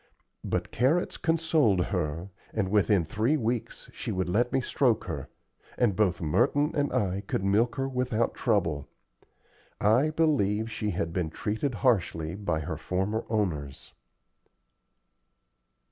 But carrots consoled her, and within three weeks she would let me stroke her, and both Merton and I could milk her without trouble. I believe she had been treated harshly by her former owners.